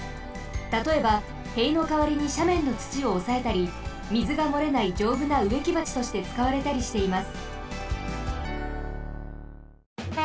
たとえばへいのかわりにしゃめんのつちをおさえたり水がもれないじょうぶなうえきばちとして使われたりしています。